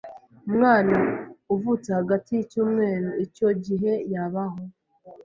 Umwana uvutse hagati y’icyumweru icyo gihe yabaho